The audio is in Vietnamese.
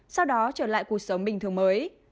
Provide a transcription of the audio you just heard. sau đó trở lại cuộc sống bình thường mới